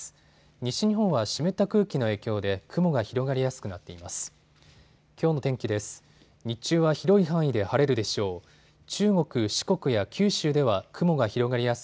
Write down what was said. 西日本は湿った空気の影響で雲が広がりやすくなっています。